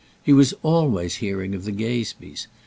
He was always hearing of the Gazebees.